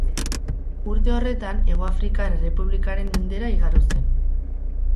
Urte horretan, Hegoafrikar Errepublikaren mendera igaro zen.